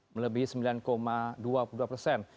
melebihi sembilan dua puluh dua persen